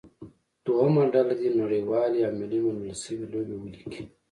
دویمه ډله دې نړیوالې او ملي منل شوې لوبې ولیکي.